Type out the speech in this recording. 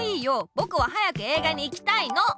ぼくは早く映画に行きたいの！